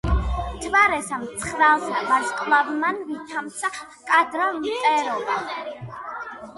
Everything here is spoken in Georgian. მთვარესა მცხრალსა ვარსკვლავმან ვითამცა ჰკადრა მტერობა?!